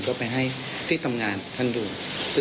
ก็ไปให้ที่ธรรมงานดู